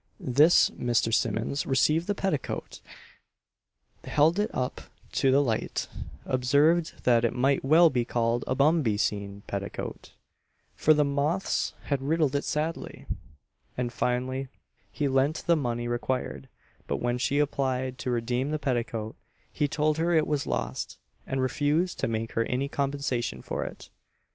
_" This Mr. Simmons received the petticoat; held it up to the light; observed that "it might well be called a bum be seen petticoat, for the moths had riddled it sadly;" and finally, he lent the money required; but when she applied to redeem the petticoat, he told her it was lost, and refused to make her any compensation for it.